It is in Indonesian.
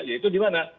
yaitu di mana